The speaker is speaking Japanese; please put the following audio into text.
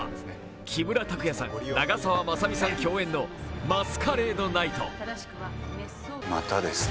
木村拓哉さん、長澤まさみさん共演の「マスカレード・ナイト」。